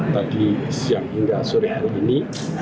tadi siang hingga sore hari ini